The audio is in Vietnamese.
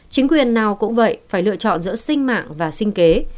chính quyền nào cũng vậy phải lựa chọn giữa sinh mạng và sinh kế